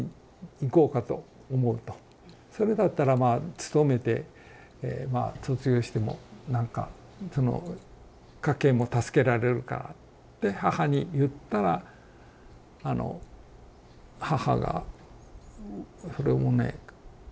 「それだったら勤めて卒業してもなんかその家計も助けられるから」って母に言ったらあの母がそれをね